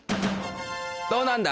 どうなんだ？